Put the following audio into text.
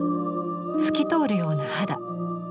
透き通るような肌。